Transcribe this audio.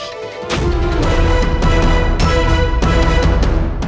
raja ibu nda